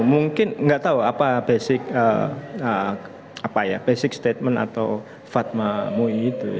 mungkin nggak tahu apa basic basic statement atau fatma mui itu